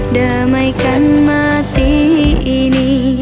damaikan mati ini